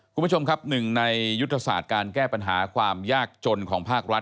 คุณผู้ชมครับหนึ่งในยุทธศาสตร์การแก้ปัญหาความยากจนของภาครัฐ